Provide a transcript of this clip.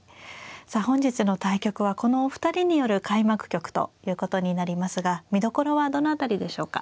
さあ本日の対局はこのお二人による開幕局ということになりますが見どころはどの辺りでしょうか。